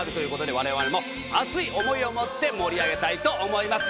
我々も熱い思いを持って盛り上げたいと思います。